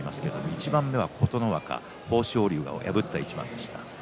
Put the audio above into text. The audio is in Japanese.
一番目は琴ノ若豊昇龍を破った一番です。